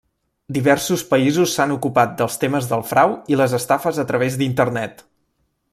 Diversos països s'han ocupat dels temes del frau i les estafes a través d'Internet.